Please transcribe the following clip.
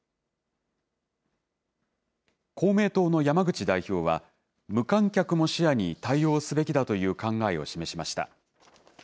公明党の山口代表は、無観客も視野に対応すべきだという考えを示しました。